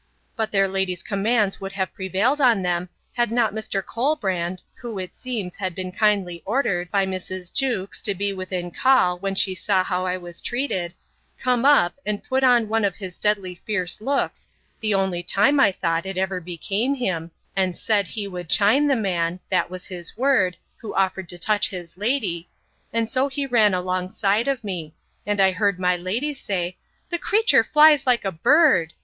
But their lady's commands would have prevailed on them, had not Mr. Colbrand, who, it seems, had been kindly ordered, by Mrs. Jewkes, to be within call, when she saw how I was treated, come up, and put on one of his deadly fierce looks, the only time, I thought, it ever became him, and said, He would chine the man, that was his word, who offered to touch his lady; and so he ran alongside of me; and I heard my lady say, The creature flies like a bird!